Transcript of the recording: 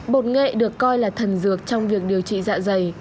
bột nghệ được coi là thần dược trong việc điều trị dạ dày